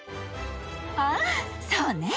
ああそうね！